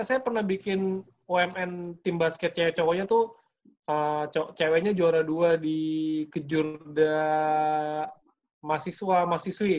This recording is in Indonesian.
saya pernah bikin umn tim basket cewek ceweknya tuh ceweknya juara dua di kejurda mahasiswa mahasiswi